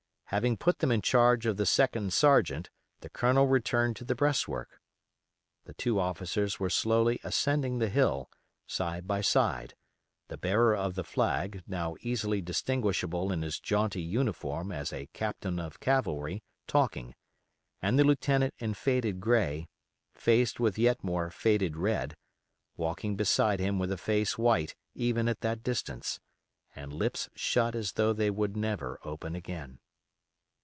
Having put them in charge of the second sergeant the Colonel returned to the breastwork. The two officers were slowly ascending the hill, side by side, the bearer of the flag, now easily distinguishable in his jaunty uniform as a captain of cavalry, talking, and the lieutenant in faded gray, faced with yet more faded red, walking beside him with a face white even at that distance, and lips shut as though they would never open again.